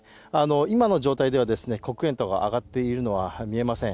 今の状態では黒煙とか上がっているのは見えません。